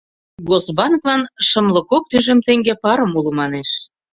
Госбанклан шымле кок тӱжем теҥге парым уло, манеш.